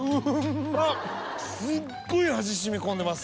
すっごい味染み込んでます